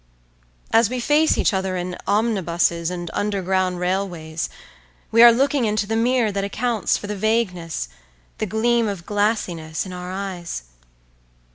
As we face each other in omnibuses and underground railways we are looking into the mirror that accounts for the vagueness, the gleam of glassiness, in our eyes.